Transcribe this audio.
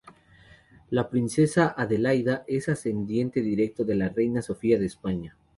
La princesa Adelaida es ascendiente directo de la reina Sofía de España.